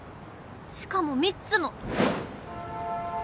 しかも３つも！